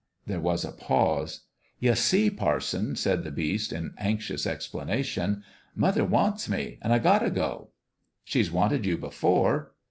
There was a pause. "Ye see, parson," said the Beast, in anxious explanation, "mother wants me, an' I got t' go." " She's wanted you before."